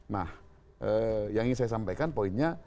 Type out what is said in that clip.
nah yang ingin saya sampaikan poinnya